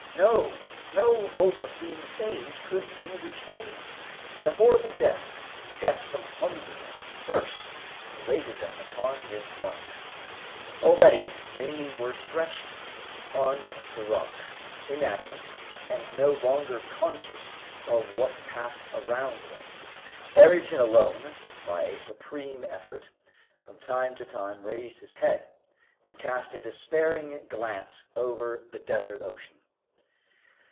No! no hope of being saved could be retained, and a horrible death, death from hunger and thirst, awaited them upon this rock. Already they were stretched on the rock, inanimate, and no longer conscious of what passed around them. Ayrton alone, by a supreme effort, from time to time raised his head, and cast a despairing glance over the desert ocean.